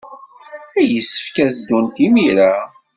Yessefk ad ddunt imir-a.